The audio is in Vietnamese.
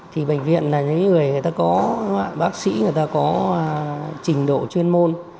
thì bệnh viện là những người người ta có bác sĩ người ta có trình độ chuyên môn